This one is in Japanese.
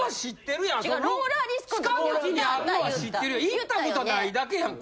行ったことないだけやんか。